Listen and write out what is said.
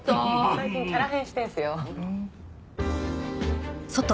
最近キャラ変してんすよ。